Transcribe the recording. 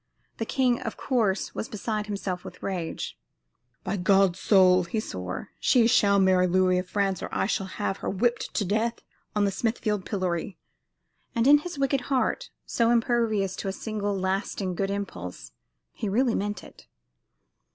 The king, of course, was beside himself with rage. "By God's soul," he swore, "she shall marry Louis of France, or I will have her whipped to death on the Smithfield pillory." And in his wicked heart so impervious to a single lasting good impulse he really meant it.